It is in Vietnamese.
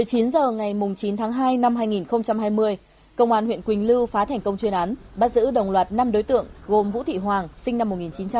một mươi chín h ngày chín tháng hai năm hai nghìn hai mươi công an huyện quỳnh lưu phá thành công chuyên án bắt giữ đồng loạt năm đối tượng gồm vũ thị hoàng sinh năm một nghìn chín trăm tám mươi